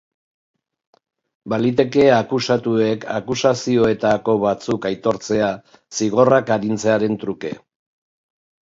Baliteke akusatuek akusazioetako batzuk aitortzea, zigorrak arintzearen truke.